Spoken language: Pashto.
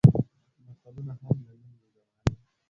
متلونه مو هم د نوې زمانې